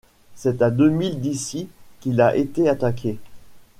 C’est à deux milles d’ici qu’il a été attaqué!